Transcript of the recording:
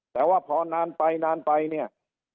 แต่ว่าพอนานไปเนี่ย